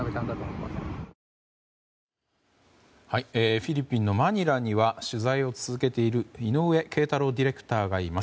フィリピンのマニラには取材を続けている井上桂太朗ディレクターがいます。